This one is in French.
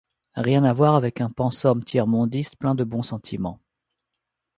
Rien à voir avec un pensum tiers-mondiste plein de bons sentiments.